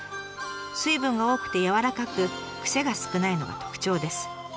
水分が多くてやわらかく癖が少ないのが特徴です。